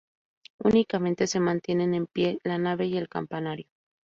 Únicamente se mantienen en pie la nave y el campanario.